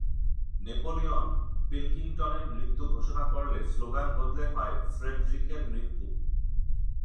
Napoleon পিলকিংটনের মৃত্যু ঘোষণা করলে স্লোগান বদলে হয় ফ্রেডরিকের মৃত্যু।